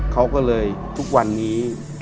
เขาก็เลยทุกวันนี้